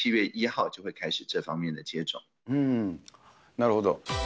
なるほど。